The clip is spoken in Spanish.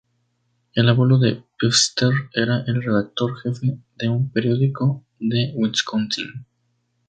El abuelo de Pfister era el redactor jefe de un periódico de Wisconsin.